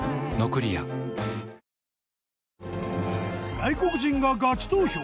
外国人がガチ投票！